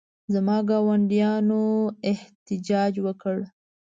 زما ګاونډیانو احتجاج وکړ.